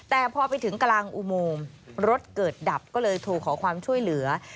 แต่พอไปถึงกลางอุโมงรถเกิดดับก็เลยโทรขอความช่วยเหลือ